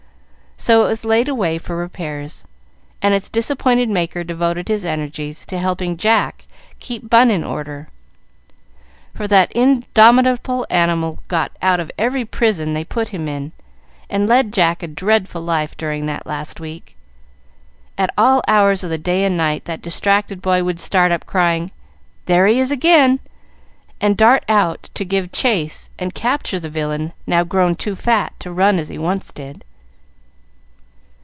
So it was laid away for repairs, and its disappointed maker devoted his energies to helping Jack keep Bun in order; for that indomitable animal got out of every prison they put him in, and led Jack a dreadful life during that last week. At all hours of the day and night that distracted boy would start up, crying, "There he is again!" and dart out to give chase and capture the villain now grown too fat to run as he once did.